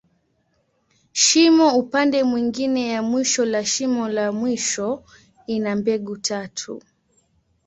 Shimo upande mwingine ya mwisho la shimo la mwisho, ina mbegu tatu.